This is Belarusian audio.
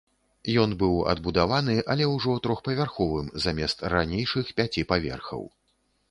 Ён быў адбудаваны, але ўжо трохпавярховым замест ранейшых пяці паверхаў.